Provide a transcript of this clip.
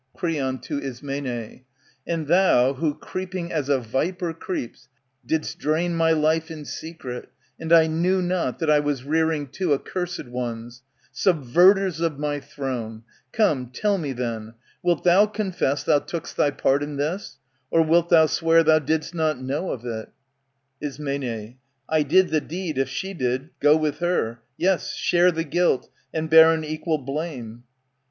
^^ Creon. [To Ismene.] And thou who, creeping as a viper creeps, Did'st drain my life in secret, and I knew not That I was rearing two accursed ones, Subverters of my throne, — come, tell me, then. Wilt thou confess thou took'st thy part in this, Or wilt thou swear thou did'st not know of it? *Ism. I did the deedy^jf^e did^ go with her, Yes, share the guilt, and bear an equal blame.